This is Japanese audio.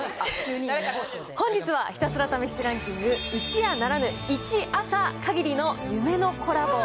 本日は、ひたすら試してランキング、一夜ならぬ一朝限りの夢のコラボ。